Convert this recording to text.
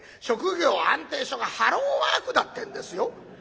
職業安定所がハローワークだってんですよ。